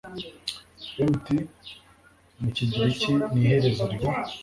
Mt Mu kigiriki ni iherezo rya